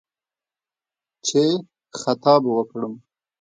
چې «خطا به وکړم»